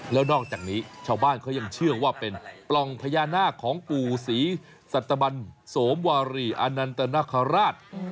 แล้วนอกจากนี้ชาวบ้านเขายังเชื่อว่าเป็นปล่องพญานาคของปู่ศรีสัตบันโสมวารีอนันตนคราช